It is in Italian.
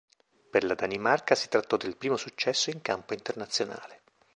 Per la Danimarca si trattò del primo successo in campo internazionale.